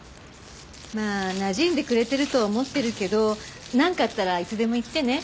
まあなじんでくれてるとは思ってるけどなんかあったらいつでも言ってね。